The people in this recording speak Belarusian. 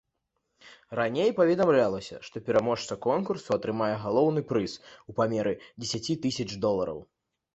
Раней паведамлялася, што пераможца конкурсу атрымае галоўны прыз у памеры дзесяці тысяч долараў.